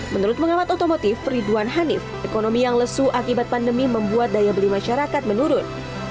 menurut pengamat otomotif ridwan hanif ekonomi yang lesu akibat pandemi membuat daya beli masyarakat menurun